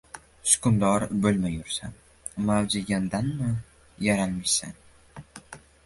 Sukundor boʻlmayursan, mavji yamdanmi yaralmishsan?